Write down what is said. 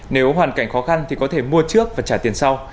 nếu hoàn cảnh khó khăn thì có thể mua trước và trả tiền sau